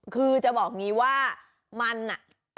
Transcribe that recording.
คือจะบอกงี้ว่ามันอ่ะ